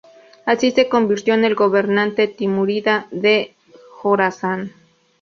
Así se convirtió en el gobernante Timúrida de Jorasán.